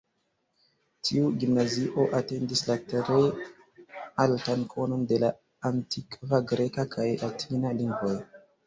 Tiu gimnazio atendis la tre altan konon de la antikva greka kaj latina lingvoj.